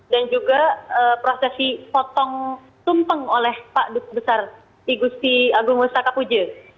dan juga prosesi potong tumpeng oleh pak dut besar igu siti agung ustaka puji